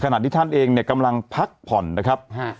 ขณะที่ท่านเองเนี่ยกำลังพักผ่อนนะครับ